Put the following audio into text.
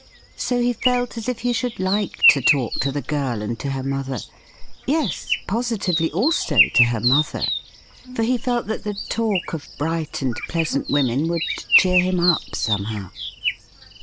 So he felt as if he should like to talk to the girl and to her mother — yes, posi tively also to her mother ; for he felt that the talk of bright and pleasant women would cheer him up somehow.